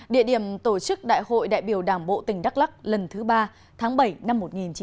địa điểm tổ chức đại hội đại biểu đảng bộ tỉnh đắk lắc lần thứ ba tháng bảy năm một nghìn chín trăm năm mươi năm